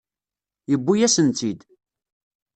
Yewwi-yasen-tt-id.